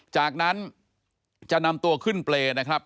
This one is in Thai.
จากนั้นจะนำตัวขึ้นเปรย์นะครับ